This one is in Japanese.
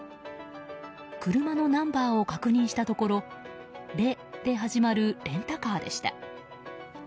車のナンバーを確認したところ「れ」で始まるレンタカーでした。